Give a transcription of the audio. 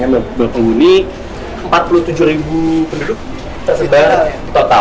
satu nya berpenghuni empat puluh tujuh penduduk tersebar total